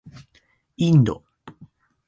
インド